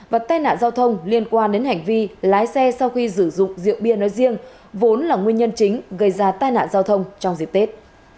và tai nạn giao thông liên quan đến hành vi lái xe sau khi sử dụng rượu bia nói riêng vốn là nguyên nhân chính gây ra tai nạn giao thông trong dịp tết